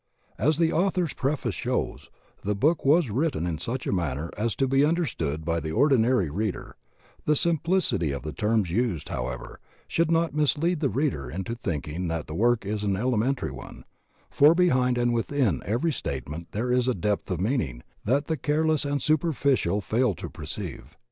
As the Author's Preface shows, the book was writ ten in such a manner as to be understood by the ordi nary reader; the simplicity of the terms used, however, should not mislead the reader into thinking that the work is an elementary one, for behind and within every statement there is a depth of meaning that the careless and superficial fail to perceive.